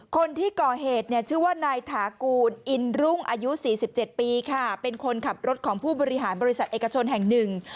คนที่ก่อเหตุเนี่ยชื่อว่านายถากูลอินรุ่งอายุ๔๗ปีค่ะเป็นคนขับรถของผู้บริหารบริษัทเอกชนแห่งหนึ่ง